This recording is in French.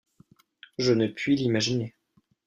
Je ne puis l’imaginer.